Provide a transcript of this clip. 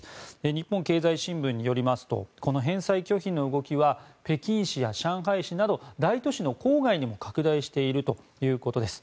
日本経済新聞によりますと返済拒否の動きは北京市や上海市など大都市の郊外にも拡大しているということです。